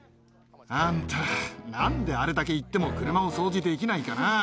あんた、なんであれだけ言っても車を掃除できないかな。